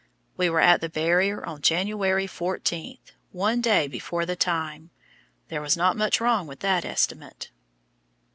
We were at the Barrier on January 14, one day before the time. There was not much wrong with that estimate.